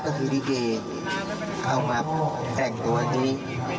ก็คือลิเกเอามาแต่งตัวนี้